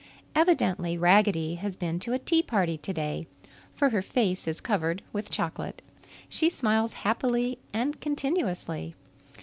Evidently Raggedy has been to a "tea party" today, for her face is covered with chocolate. She smiles happily and continuously.